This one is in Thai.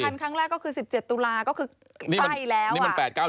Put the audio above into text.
อ๋อคุณผ่าคันทั้งแรกก็คือ๑๗ตุลาก็คือใกล้แล้ว